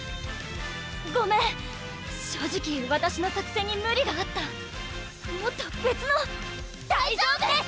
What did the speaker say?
ごめん正直わたしの作戦に無理があったもっと別の大丈夫です！